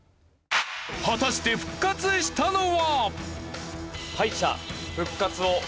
果たして復活したのは！？